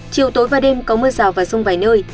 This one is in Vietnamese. chiều tối và đêm có mưa rào và rông vài nơi